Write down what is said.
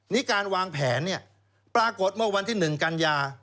นี่การวางแผนเนี่ยปรากฏเมื่อวันที่๑กันยา